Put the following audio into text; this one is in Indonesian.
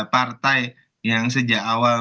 partai yang sejak awal